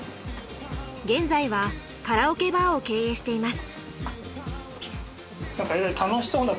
現在はカラオケバーを経営しています。